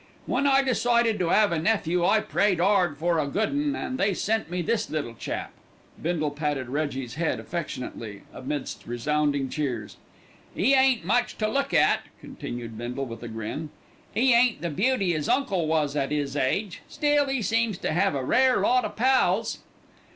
"When I decided to 'ave a nephew I prayed 'ard for a good 'un, an' they sent me this little chap." Bindle patted Reggie's head affectionately amidst resounding cheers. "'E ain't much to look at," continued Bindle, with a grin, "'e ain't the beauty 'is uncle was at 'is age; still, 'e seems to 'ave a rare lot o' pals."